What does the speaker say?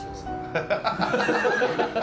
ハハハハハ。